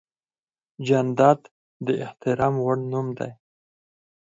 جانداد د احترام وړ نوم دی.